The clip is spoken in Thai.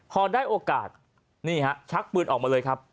พอได้โอกาสนี่ฮะชักปืนออกมาเลยครับ